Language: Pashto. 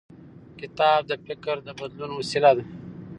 کتاب د فکر بدلون وسیله ده.